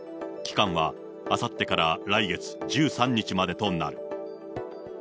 期間はあさってから来月１３日までとなる。